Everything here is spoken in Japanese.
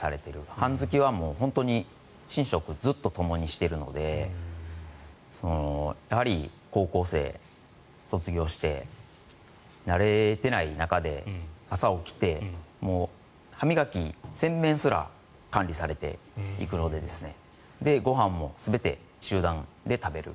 班付は本当に寝食ずっとともにしているのでやはり高校卒業して慣れていない中で朝起きて歯磨き、洗面すら管理されていくのでご飯も全て集団で食べる。